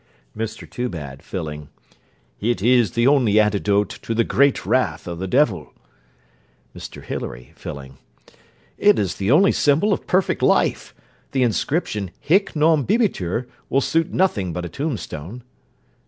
MR TOOBAD (filling) It is the only antidote to the great wrath of the devil. MR HILARY (filling) It is the only symbol of perfect life. The inscription 'HIC NON BIBITUR' will suit nothing but a tombstone.